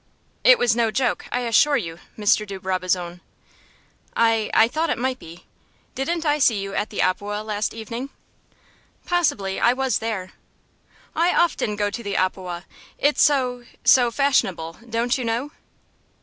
"It was no joke, I assure you, Mr. de Brabazon." "I I thought it might be. Didn't I see you at the opewa last evening?" "Possibly. I was there." "I often go to the opewa. It's so so fashionable, don't you know?"